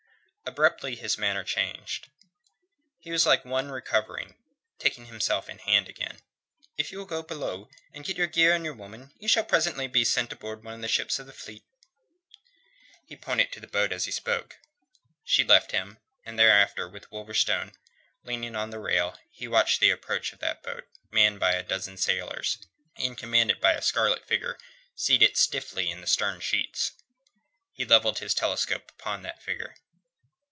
Abruptly his manner changed. He was like one recovering, taking himself in hand again. "If you will go below, and get your gear and your woman, you shall presently be sent aboard one of the ships of the fleet." He pointed to the boat as he spoke. She left him, and thereafter with Wolverstone, leaning upon the rail, he watched the approach of that boat, manned by a dozen sailors, and commanded by a scarlet figure seated stiffly in the stern sheets. He levelled his telescope upon that figure.